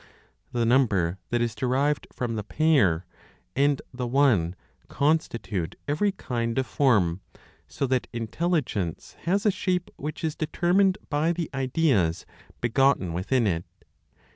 The number that is derived from the pair, and the one, constitute every kind of form, so that Intelligence has a shape which is determined by the ideas begotten within it.